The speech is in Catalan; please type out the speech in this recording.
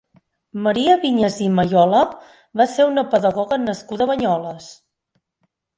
Maria Vinyes i Mayola va ser una pedagoga nascuda a Banyoles.